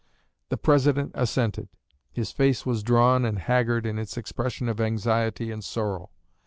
The President assented. His face was drawn and haggard in its expression of anxiety and sorrow.